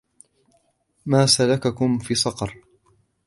ما سلككم في سقر